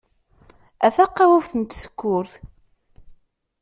A taqabubt n tsekkurt.